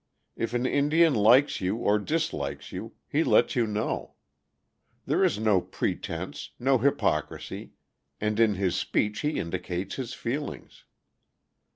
If an Indian likes you or dislikes you, he lets you know. There is no pretense, no hypocrisy, and in his speech he indicates his feelings.